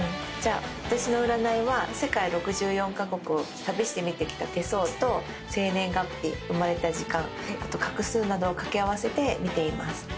私の占いは世界６４カ国を旅して見てきた手相と生年月日生まれた時間あと画数などを掛け合わせて見ています。